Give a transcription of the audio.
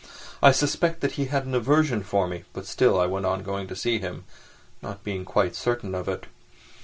I suspected that he had an aversion for me, but still I went on going to see him, not being quite certain of it.